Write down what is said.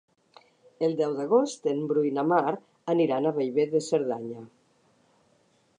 El deu d'agost en Bru i na Mar aniran a Bellver de Cerdanya.